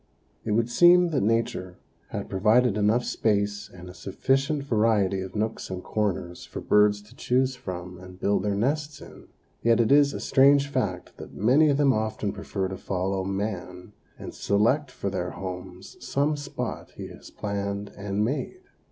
It would seem that nature had provided enough space and a sufficient variety of nooks and corners for birds to choose from and build their nests in; yet it is a strange fact that many of them often prefer to follow man, and select, for their homes, some spot he has planned and made.